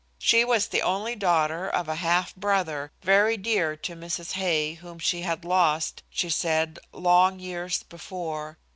She was the only daughter of a half brother, very dear to Mrs. Hay, whom she had lost, she said, long years before.